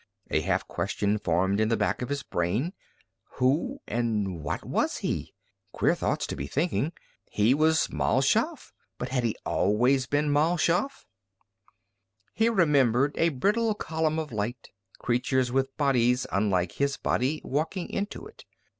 A half question formed in the back of his brain. Who and what was he? Queer thoughts to be thinking! He was Mal Shaff, but had he always been Mal Shaff? He remembered a brittle column of light, creatures with bodies unlike his body, walking into it.